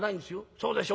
そうでしょ？